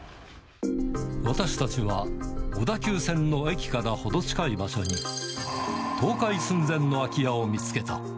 私たちは小田急線の駅から程近い場所に、倒壊寸前の空き家を見つけた。